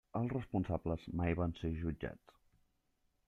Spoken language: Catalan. Els responsables mai van ser jutjats.